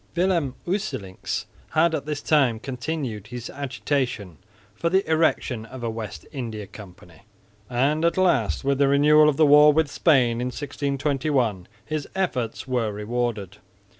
Willem Usselincx had all this time continued his agitation for the erection of a West India Company; and at last, with the renewal of the war with Spain in 1621, his efforts were rewarded.